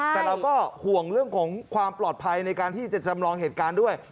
แต่เราก็ห่วงเรื่องของความปลอดภัยในการที่จะจำลองเหตุการณ์ด้วย